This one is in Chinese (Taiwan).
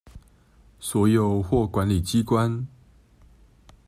所有或管理機關